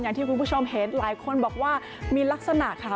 อย่างที่คุณผู้ชมเห็นหลายคนบอกว่ามีลักษณะค่ะ